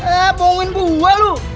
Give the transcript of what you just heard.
eh boongin buah lu